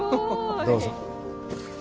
どうぞ。